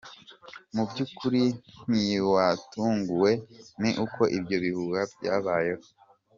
Mu byukuri ntiwatunguwe ni uko ibyo bihuha byabayeho?”.